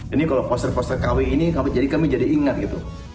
ini kalau poster poster kw ini jadi kami jadi ingat gitu